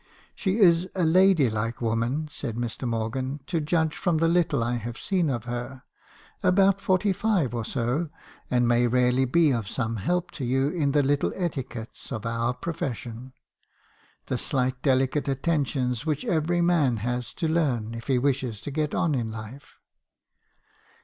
" 'She is a lady like woman,' said Mr. Morgan, 'to judge from the little I have seen of her; about forty five or so; and may really be of some help to you in the little etiquettes of our profession ; the slight delicate attentions which every man has to learn, if he wishes to get on in life.